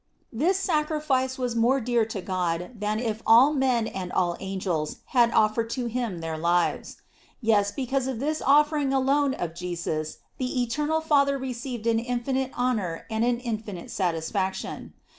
This sacrifice was more dear to God than if all men and all the angels had offered to him their lives. Yes, because in this offering alone of Jesus the eternal Father received an infinite honor and an infinite satisfaction.